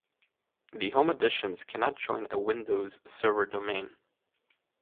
The home editions cannot join a Windows Server domain.